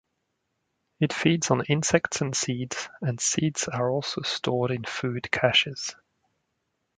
It feeds on insects and seeds, and seeds are also stored in food caches.